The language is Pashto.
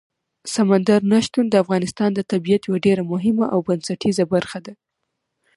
سمندر نه شتون د افغانستان د طبیعت یوه ډېره مهمه او بنسټیزه برخه ده.